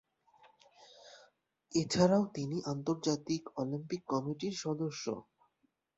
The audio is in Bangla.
এছাড়াও তিনি আন্তর্জাতিক অলিম্পিক কমিটির সদস্য।